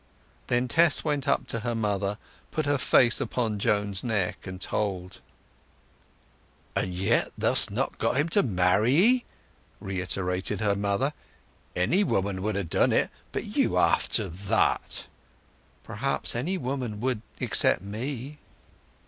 Then Tess went up to her mother, put her face upon Joan's neck, and told. "And yet th'st not got him to marry 'ee!" reiterated her mother. "Any woman would have done it but you, after that!" "Perhaps any woman would except me."